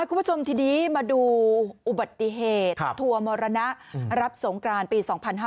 คุณผู้ชมทีนี้มาดูอุบัติเหตุทัวร์มรณะรับสงกรานปี๒๕๕๙